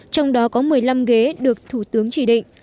trong đó có một mươi năm ghế được thủ tướng chỉ định